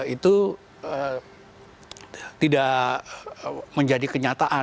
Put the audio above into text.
itu tidak menjadi kenyataan